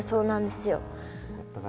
すごかったから。